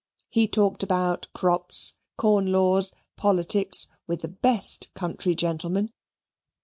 He talked about crops, corn laws, politics, with the best country gentlemen.